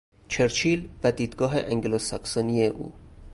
چرچیل و دیدگاه انگلوساکسونی او